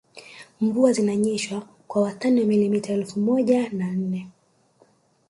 Mvua zinanyesha kwa wastani wa milimita elfu moja na nne